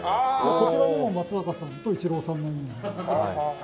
こちらにも松坂さんとイチローさんのユニホームを。